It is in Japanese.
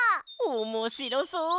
おもしろそう！